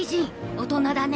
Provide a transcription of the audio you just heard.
大人だね。